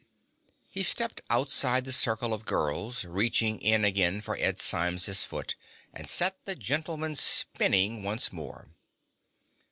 He stepped outside the circle of girls, reached in again for Ed Symes's foot, and set the gentleman spinning once more.